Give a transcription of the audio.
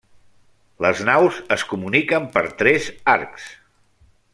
Les naus es comuniquen per tres arcs.